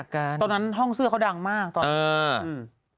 ตอนนั้นห้องเสื้อเขาดังมากตอนนั้นเอออืม